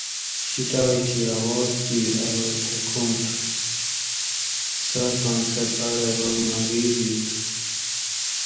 شیٹآئ تھی اواز کیر ارو تھہ کوم تھو؟ څاۤکاں سردار ارو مہ غیزی تھو